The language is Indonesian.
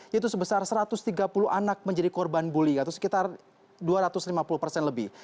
yaitu sebesar satu ratus tiga puluh anak menjadi korban bully atau sekitar dua ratus lima puluh persen lebih